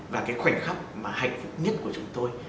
và khoảnh khắc hạnh phúc nhất của chúng tôi